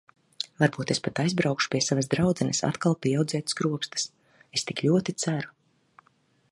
Varbūt es pat aizbraukšu pie savas draudzenes atkal pieaudzēt skropstas... Es tik ļoti ceru!